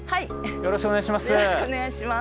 よろしくお願いします。